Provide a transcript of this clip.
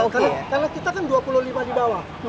karena kita kan dua puluh lima di bawah